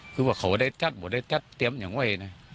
คือว่าเขาได้ชัดหมดได้ชัดเตรียมอย่างไว้นะ